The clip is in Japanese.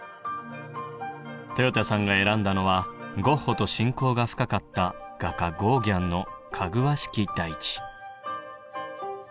とよたさんが選んだのはゴッホと親交が深かった画家ゴーギャンの「かぐわしき大地」。